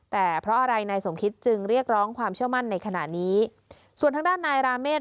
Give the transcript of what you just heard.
แต่เพราะอะไรนายสมคิตจึงเรียกร้องความเชื่อมั่นในขณะนี้ส่วนทางด้านนายราเมฆ